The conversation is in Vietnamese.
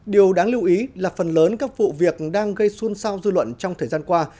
điều đáng lưu ý là phần lớn các vụ việc đang gây xôn xao dư luận trong thời gian qua